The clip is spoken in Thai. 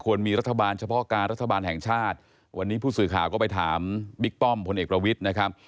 มีรัฐบาลเฉพาะการรัฐบาลแห่งชาติวันนี้ผู้สื่อข่าวก็ไปถามบิ๊กป้อมพลเอกประวิทย์นะครับ